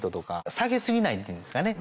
下げ過ぎないっていうんですかね。